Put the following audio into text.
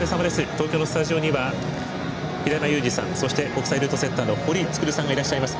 東京のスタジオには平山ユージさん、そして国際ルートセッターの堀創さんがいらっしゃいます。